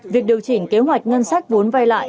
việc điều chỉnh kế hoạch ngân sách vốn vay lại